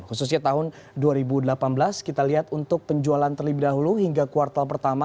khususnya tahun dua ribu delapan belas kita lihat untuk penjualan terlebih dahulu hingga kuartal pertama